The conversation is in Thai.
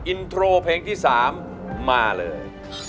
อินโทรเพลงที่๓มาเลย